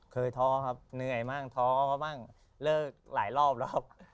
เคยท้อครับเหนื่อยมากท้อก็บ้างเลิกหลายรอบแล้ว